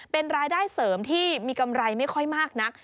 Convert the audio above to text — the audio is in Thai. เป็นรายได้เสริมที่มีกำไรไม่ค่อยมากนัก